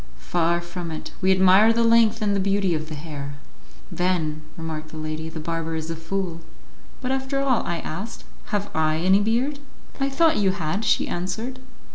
Far from it; we admire the length and the beauty of the hair." "Then," remarked the lady, "the barber is a fool." "But after all," I asked, "have I any beard?" "I thought you had," she answered.